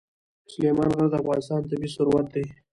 سلیمان غر د افغانستان طبعي ثروت دی.